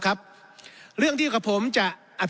ครับเรื่องที่กับผมจะอัด